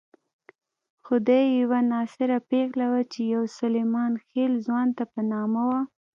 خدۍ یوه ناصره پېغله وه چې يو سلیمان خېل ځوان ته په نامه وه.